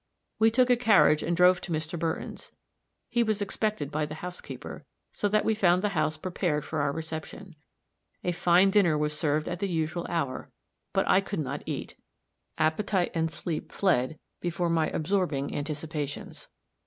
We took a carriage and drove to Mr. Burton's; he was expected by the housekeeper, so that we found the house prepared for our reception. A fine dinner was served at the usual hour but I could not eat. Appetite and sleep fled before my absorbing anticipations.